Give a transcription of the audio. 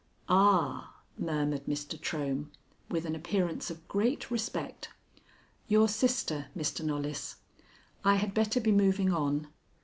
"Ah," murmured Mr. Trohm, with an appearance of great respect, "your sister, Mr. Knollys. I had better be moving on.